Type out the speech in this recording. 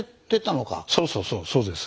そうそうそうです。